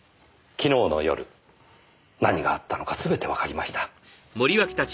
昨日の夜何があったのかすべてわかりました。